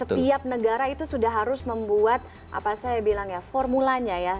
setiap negara itu sudah harus membuat apa saya bilang ya formulanya ya